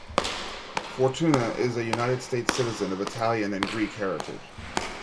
Fortuna is a United States citizen of Italian and Greek heritage.